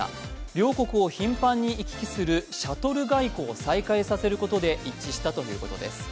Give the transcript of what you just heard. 両国を頻繁に行き来するシャトル外交を再開させることで一致したということです。